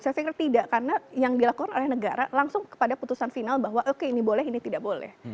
saya pikir tidak karena yang dilakukan oleh negara langsung kepada putusan final bahwa oke ini boleh ini tidak boleh